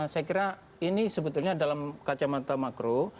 saya kira ini sebetulnya dalam kacamata makro